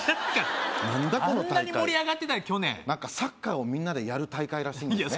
何だこの大会あんなに盛り上がってた去年サッカーをみんなでやる大会らしいんですね